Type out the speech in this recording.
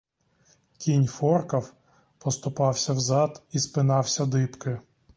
Кінь форкав, поступався в зад і спинався дибки.